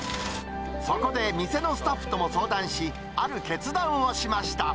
そこで店のスタッフとも相談し、ある決断をしました。